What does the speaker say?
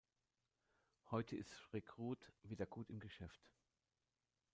Heute ist Recruit wieder gut im Geschäft.